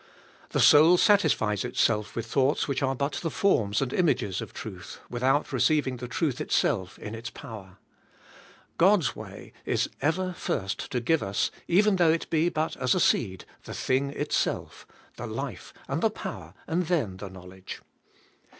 The soul satisfies itself with thoughts which are but the forms and images of truth, without receiving the truth itself in its power. God's way is ever first to give us, even though it be but as a seed, the thing itself, the life and the power, , and then the knowledge.